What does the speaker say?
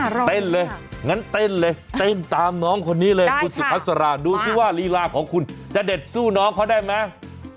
เต้นเลยงั้นเต้นเลยเต้นตามน้องคนนี้เลยคุณสุภาษาดูสิว่าลีลาของคุณจะเด็ดสู้น้องเขาได้ไหม